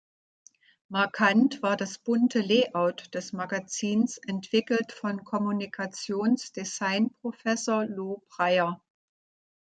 Markant war das bunte Layout des Magazins, entwickelt von Kommunikationsdesign-Professor Lo Breier.